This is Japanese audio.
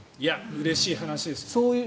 うれしい話ですね。